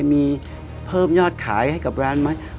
มีเพิ่มยอดขายกับแบรนด์ไหม